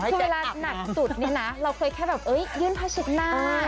คือเวลาหนักสุดเนี่ยนะเราเคยแค่แบบยื่นผ้าเช็ดหน้า